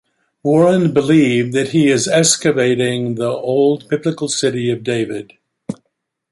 Warren believed that he is excavating the old biblical city of David.